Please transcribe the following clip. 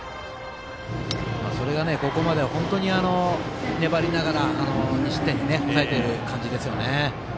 それがここまで粘りながら２失点に抑えてる感じですもんね。